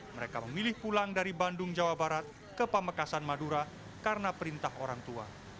mereka memilih pulang dari bandung jawa barat ke pamekasan madura karena perintah orang tua